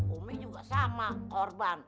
umi juga sama korban